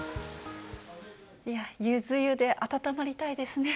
ゆず湯で温まりたいですね。